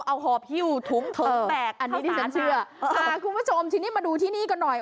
เอาหอบหิ้วถุงถุงแตกอันนี้ที่ฉันเชื่อพาคุณผู้ชมทีนี้มาดูที่นี่กันหน่อย